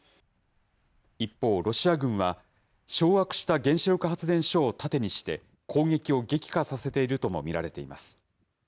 一方、ロシア軍は掌握した原子力発電所を盾にして、攻撃を激化させているとも見られています。